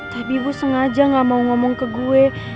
tapi ibu sengaja gak mau ngomong ke gue